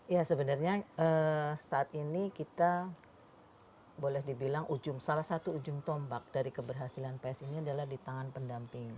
ya sebenarnya saat ini kita boleh dibilang ujung salah satu ujung tombak dari keberhasilan ps ini adalah di tangan pendamping